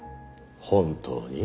本当に？